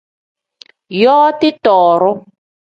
Yooti tooru.